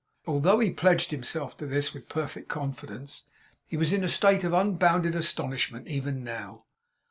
Although he pledged himself to this with perfect confidence, he was in a state of unbounded astonishment even now.